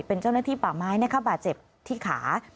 เป็นเจ้าหน้าที่ป่าไม้นะคะบาดเจ็บที่ขา